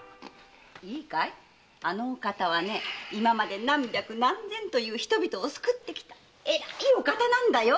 いいかいあのお方は今まで何百何千という人々を救ってきた偉いお方なんだよ！